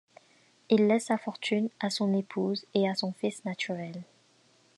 Il laisse sa fortune à son épouse et à son fils naturel.